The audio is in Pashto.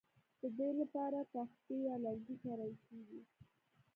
د دې لپاره تختې یا لرګي کارول کیږي